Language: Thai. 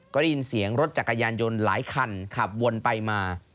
ก็ได้ยินเสียงรถจักรยานยนต์หลายคันขับวนไปมา